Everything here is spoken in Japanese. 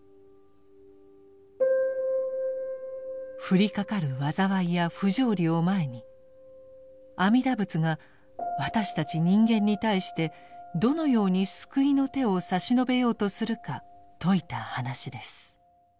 降りかかる災いや不条理を前に阿弥陀仏が私たち人間に対してどのように救いの手を差し伸べようとするか説いた話です。